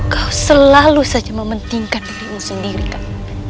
kau selalu saja mementingkan dirimu sendiri kan